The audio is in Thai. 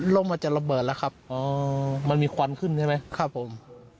มันจะระเบิดแล้วครับมันมีควันขึ้นใช่ไหมครับผม